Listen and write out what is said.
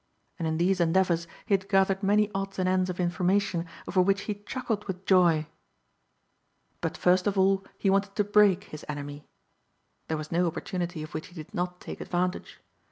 And in these endeavors he had gathered many odds and ends of information over which he chuckled with joy. But first of all he wanted to break his enemy. There was no opportunity of which he did not take advantage.